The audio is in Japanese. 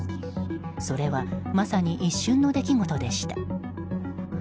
それはまさに一瞬の出来事でした。